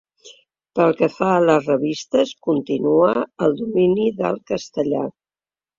Pel que fa a les revistes, continua el domini del castellà.